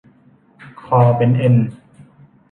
คอเป็นเอ็น